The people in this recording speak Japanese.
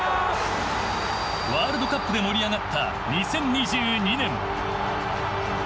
ワールドカップで盛り上がった２０２２年。